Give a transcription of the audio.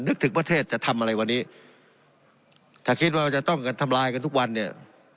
นึกถึงประเทศจะทำอะไรวันนี้ถ้าคิดว่าจะต้องกันทำลายกันทุกวันเนี่ย